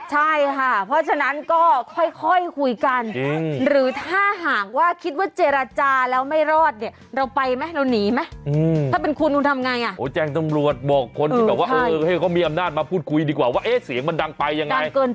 ใช่ค่ะเพราะฉะนั้นก็ค่อยคุยกัน